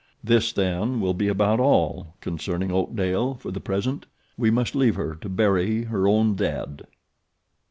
This, then, will be about all concerning Oakdale for the present. We must leave her to bury her own dead.